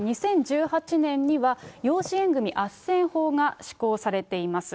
２０１８年には養子縁組あっせん法が施行されています。